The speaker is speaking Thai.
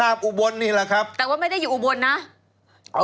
อุบลนี่แหละครับแต่ว่าไม่ได้อยู่อุบลนะอ๋อ